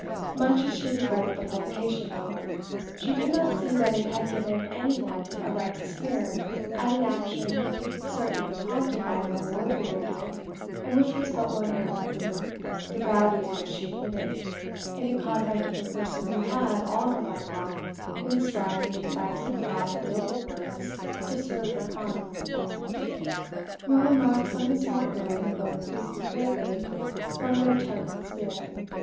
Much as she regretted the publication of the book, she could not see that it had given any one a right to sneer at an action, certainly prompted by no worldly motive, and which was but one error the gravity of which she admitted in the conduct of a person who had, all her life long, been striving, by deep thought and noble words, to serve her kind. "Your remarks on Miss Martineau and her book pleased me greatly, from their tone and spirit.